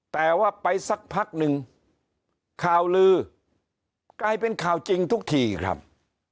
แต่ว่าไปสักพักหนึ่งข่าวลือกลายเป็นข่าวจริงทุกทีครับ